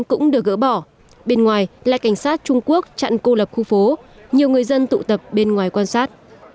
cũng được gỡ bỏ bên ngoài lại cảnh sát trung quốc chặn cô lập khu phố nhiều người dân tụ tập bên ngoài quan sát